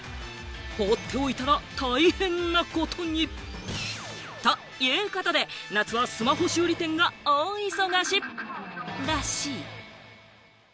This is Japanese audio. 放っておいたら大変なことに。ということで、夏はスマホ修理店がお忙しらしい。